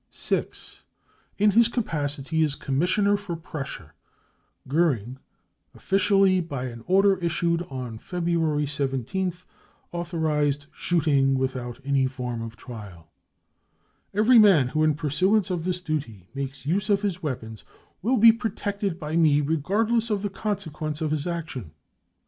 6. In his capacity as Commissioner for Prussia, Goering, officially, by an order issued on February 17th, autho riml shooting without any form of trial :" Every man who, in pursuance of this duty, makes use of his weapons, will be protected by me regardless of the consequences of his action.